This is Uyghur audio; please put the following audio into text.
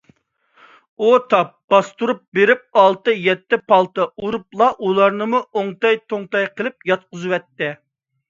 ئۇ تاپ باستۇرۇپ بېرىپ، ئالتە - يەتتە پالتا ئۇرۇپلا ئۇلارنىمۇ ئوڭتەي - توڭتەي قىلىپ ياتقۇزۇۋەتتى.